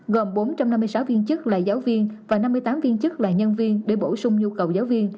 gồm bốn trăm năm mươi sáu viên chức là giáo viên và năm mươi tám viên chức là nhân viên để bổ sung nhu cầu giáo viên